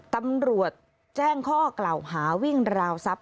ตำรวจแจ้งข้อกล่าวหาวิ่งราวทรัพย